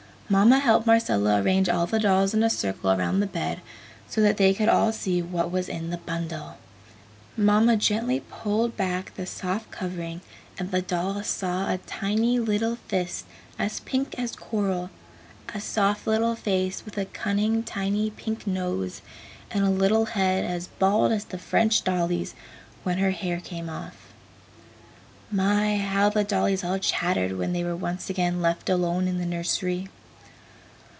Mamma helped Marcella arrange all the dolls in a circle around the bed so that they could all see what was in the bundle. Mamma gently pulled back the soft covering and the dolls saw a tiny little fist as pink as coral, a soft little face with a cunning tiny pink nose, and a little head as bald as the French dolly's when her hair came off. My, how the dollies all chattered when they were once again left alone in the nursery!